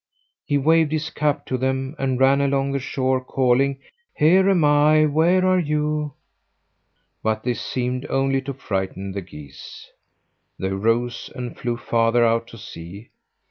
He waved his cap to them and ran along the shore calling. "Here am I, where are you?" But this seemed only to frighten the geese. They rose and flew farther out to sea.